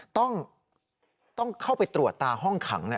ต้องเข้าไปตรวจตาห้องขัง